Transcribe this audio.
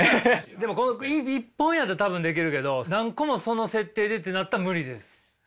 でもこの１本やったら多分できるけど何個もその設定でってなったら無理です。